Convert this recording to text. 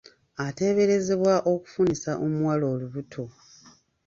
Ateeberezebwa okufunisa omuwala olubuto.